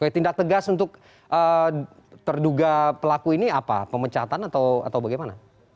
tindak tegas untuk terduga pelaku ini apa pemecatan atau bagaimana